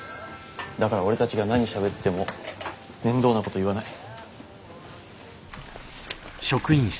だから俺たちが何しゃべっても面倒なこと言わない。